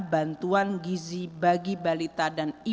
bantuan gizi bagi balita dan ibu